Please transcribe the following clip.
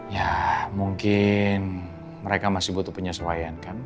ya mungkin mereka masih butuh penyesuaian kan